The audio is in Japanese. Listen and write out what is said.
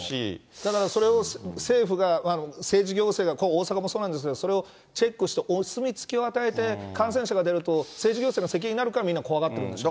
だからそれを政府が、政治行政が、大阪もそうなんですけど、チェックしてお墨つきを与えて、感染者が出ると、政治行政の責任になるからみんな怖がってるんでしょうね。